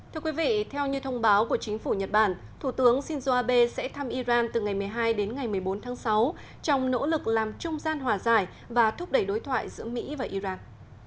thưa quý vị theo như thông báo của chính phủ nhật bản thủ tướng shinzo abe sẽ thăm iran từ ngày một mươi hai đến ngày một mươi bốn tháng sáu trong nỗ lực làm trung gian hòa giải và thúc đẩy đối thoại giữa mỹ và iran